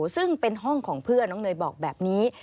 ซึ่งเป็นห้องของเพื่อนน้องเนยบอกแบบนี้